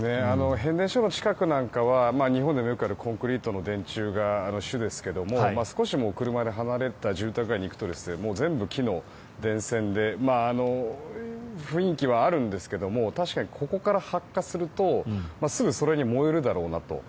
変電所の近くなんかは日本でもよくあるコンクリートの電柱が主ですが少し車で離れた住宅街に行くと全部、木の電線で雰囲気はあるんですが確かに、ここから発火するとすぐそれは燃えるだろうなと。